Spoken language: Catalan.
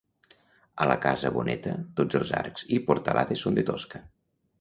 A la casa Boneta tots els arcs i portalades són de tosca.